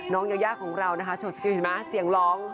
น้องยาของเราโชว์สกินเห็นไหมเสียงร้อง